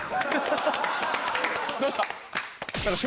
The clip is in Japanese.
どうした？